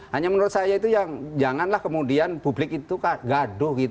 hanya menurut saya itu yang janganlah kemudian publik itu gaduh